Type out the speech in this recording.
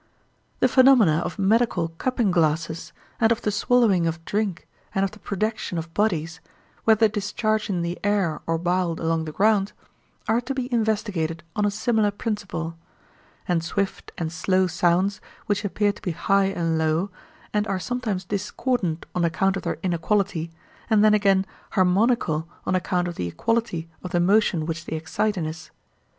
The phenomena of medical cupping glasses and of the swallowing of drink and of the projection of bodies, whether discharged in the air or bowled along the ground, are to be investigated on a similar principle; and swift and slow sounds, which appear to be high and low, and are sometimes discordant on account of their inequality, and then again harmonical on account of the equality of the motion which they excite in us.